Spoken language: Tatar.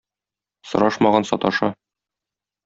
Сорашмаган саташа.